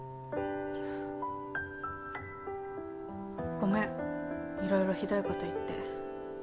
ごめんいろいろひどいこと言って。